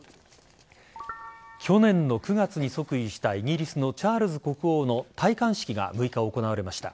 去年の９月に即位したイギリスのチャールズ国王の戴冠式が６日行われました。